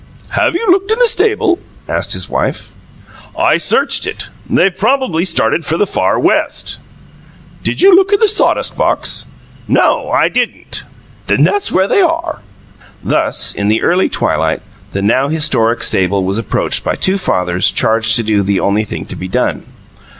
"Have you looked in the stable?" asked his wife. "I searched it. They've probably started for the far West." "Did you look in the sawdust box?" "No, I didn't." "Then that's where they are." Thus, in the early twilight, the now historic stable was approached by two fathers charged to do the only thing to be done.